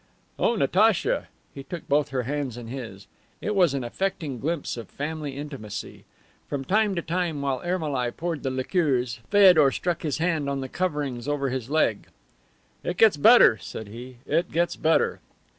"Oh, Natacha!" He took both her hands in his. It was an affecting glimpse of family intimacy. From time to time, while Ermolai poured the liqueurs, Feodor struck his band on the coverings over his leg. "It gets better," said he. "It gets better."